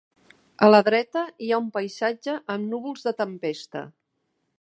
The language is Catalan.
A la dreta hi ha un paisatge amb núvols de tempesta.